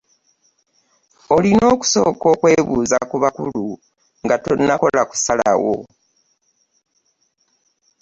Olina okusooka okwebuuza ku bakulu nga tonnakola kusalawo.